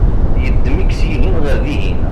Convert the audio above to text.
yeddem-ik syihen ɣer dihin